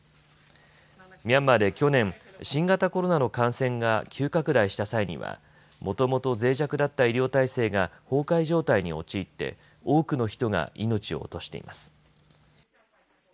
ミャンマーで去年、新型コロナの感染が急拡大した際にはもともとぜい弱だった医療体制が崩壊状態に陥って多くの人が命を落としています。